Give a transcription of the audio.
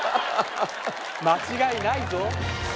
間違いないぞ。